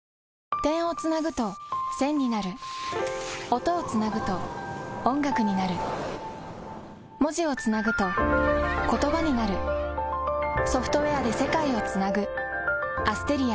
点をつなぐと線になる音をつなぐと音楽になる文字をつなぐと言葉になるソフトウェアで世界をつなぐＡｓｔｅｒｉａ